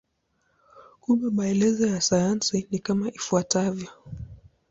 Kumbe maelezo ya sayansi ni kama ifuatavyo.